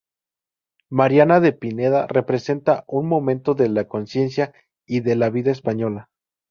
Mariana de Pineda representa un momento de la conciencia y de la vida española.